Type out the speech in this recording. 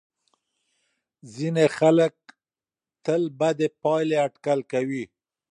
ځینې خلک تل بدې پایلې اټکل کوي.